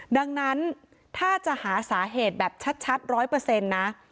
ดังนั้นถ้าจะหาสาเหตุแบบชัดร้อยเปอร์เซ็นต์นะ